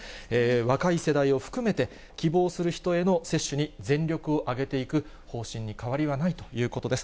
若い世代を含めて、希望する人への接種に全力を挙げていく方針に変わりはないということです。